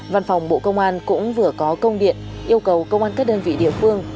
văn phòng bộ công an cũng vừa có công điện yêu cầu công an các đơn vị địa phương